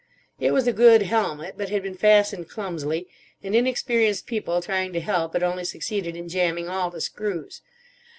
It was a good helmet, but had been fastened clumsily; and inexperienced people trying to help had only succeeded in jambing all the screws.